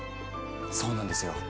そうなんですよ。